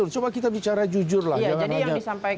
coba kita bicara jujurlah jangan sekedar untuk membela